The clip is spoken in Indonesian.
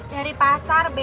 dari pasar be